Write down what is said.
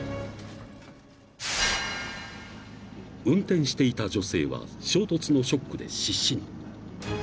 ［運転していた女性は衝突のショックで失神］